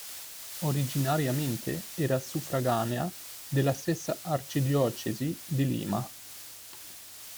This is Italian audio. Originariamente era suffraganea della stessa arcidiocesi di Lima.